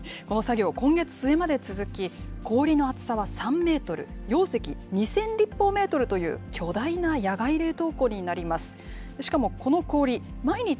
この作業、今月末まで続き、氷の厚さは３メートル、容積２０００立方メートルという巨大な野外冷凍庫になります。